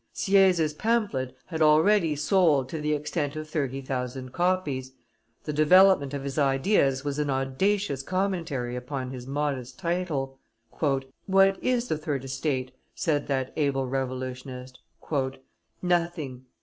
Sieyes' pamphlet had already sold to the extent of thirty thousand copies; the development of his ideas was an audacious commentary upon his modest title. "What is the third estate?" said that able revolutionist. "Nothing.